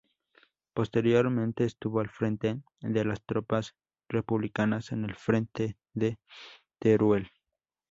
Posteriormente estuvo al frente de las tropas republicanas en el Frente de Teruel.